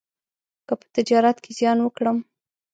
که په تجارت کې زیان وکړم،